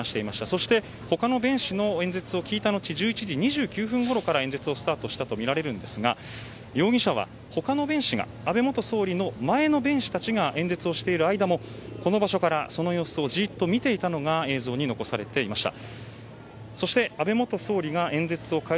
そして他の弁士の演説を聞いた後１１時２９分ごろから演説をスタートしたとみられるんですが容疑者は安倍元総理の前の弁士たちが演説をしている間もこの場所から安倍元総理をじっと見ていたのが映像に残されていました。